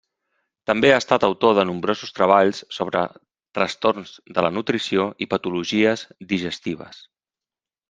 També ha estat autor de nombrosos treballs sobre trastorns de la nutrició i patologies digestives.